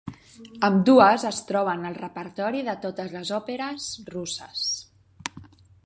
Ambdues es troben al repertori de totes les òperes russes.